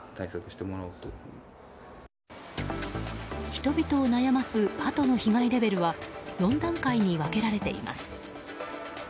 人々を悩ますハトの被害レベルは４段階に分けられています。